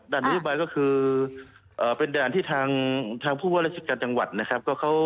นโยบายก็คือเป็นด่านที่ทางผู้ว่าราชการจังหวัดนะครับ